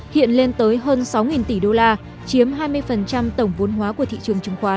hiện lên tới hơn sáu tỷ đô la chiếm hai mươi tổng vốn hóa của thị trường chứng khoán